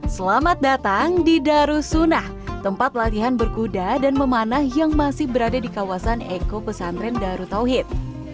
selamat datang di darussunah tempat latihan berkuda dan memanah yang masih berada di kawasan eko pesantren darutauhid